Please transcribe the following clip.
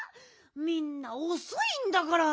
みんなおそいんだから。